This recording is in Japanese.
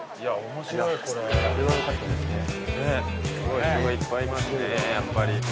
やっぱり。